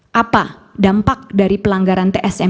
keempat luas update dari persam locals di v divers com